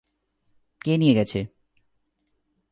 কে নিয়ে গেছে?